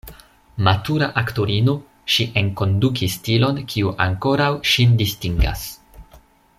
Matura aktorino, ŝi enkondukis stilon kiu ankoraŭ ŝin distingas.